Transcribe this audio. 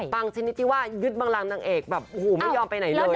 ชนิดที่ว่ายึดบังรามนางเอกแบบโอ้โหไม่ยอมไปไหนเลย